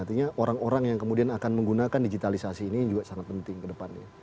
artinya orang orang yang kemudian akan menggunakan digitalisasi ini juga sangat penting ke depannya